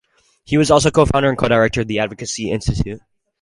He was also co-founder and co-director of the Advocacy Institute.